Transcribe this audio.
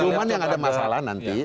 cuma yang ada masalah nanti